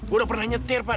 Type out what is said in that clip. gue udah pernah nyetir pak